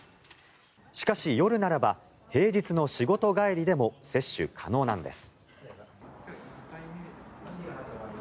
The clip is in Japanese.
しかし、夜ならば平日の仕事帰りでも接種可能なんです。